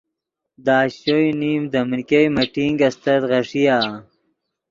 دے اشچو یو نیم دے من ګئے میٹنگ استت غیݰیآ۔